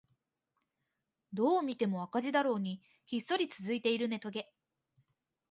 どう見ても赤字だろうにひっそり続いているネトゲ